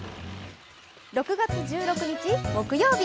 ６が１６日木曜日。